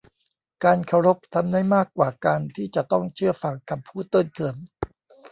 การเคารพทำได้มากกว่าการที่จะต้องเชื่อฟังคำพูดตื้นเขิน